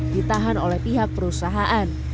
ditahan oleh pihak perusahaan